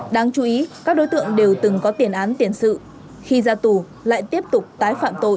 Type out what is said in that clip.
đáng chú ý các đối tượng đều từng có tiền án tiền sự khi ra tù lại tiếp tục tái phạm tội